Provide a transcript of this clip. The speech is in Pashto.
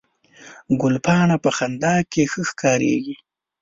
ګلپاڼه په خندا کې ښه ښکارېږي